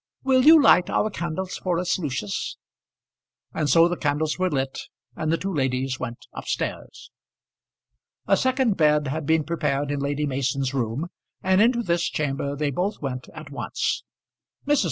Will you light our candles for us, Lucius?" And so the candles were lit, and the two ladies went up stairs. A second bed had been prepared in Lady Mason's room, and into this chamber they both went at once. Mrs.